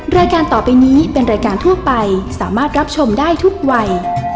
รายการต่อไปนี้เป็นรายการทั่วไปสามารถรับชมได้ทุกวัย